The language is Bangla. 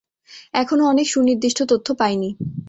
এখনও অনেক সুনির্দিষ্ট তথ্য পাইনি।